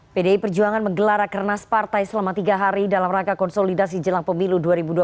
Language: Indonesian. pdi perjuangan menggelar rakernas partai selama tiga hari dalam rangka konsolidasi jelang pemilu dua ribu dua puluh